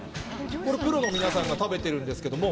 これプロの皆さんが食べてるんですけれども、